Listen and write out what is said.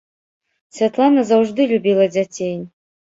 Святлана заўжды любіла дзяцей.